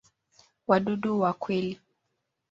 Wadudu wa kweli.